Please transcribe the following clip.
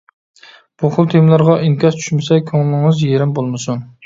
بۇ خىل تېمىلارغا ئىنكاس چۈشمىسە كۆڭلىڭىز يېرىم بولمىسۇن.